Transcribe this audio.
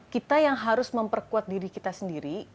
kita yang harus memperkuat diri kita sendiri